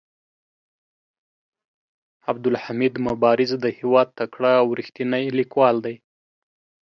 عبدالحمید مبارز د هيواد تکړه او ريښتيني ليکوال دي.